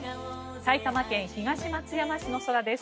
埼玉県東松山市の空です。